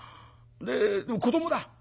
でも子どもだ。